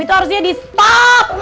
itu harusnya di stop